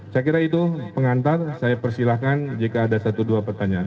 saya kira itu pengantar saya persilahkan jika ada satu dua pertanyaan